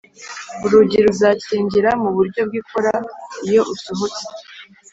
] urugi ruzakingira mu buryo bwikora iyo usohotse.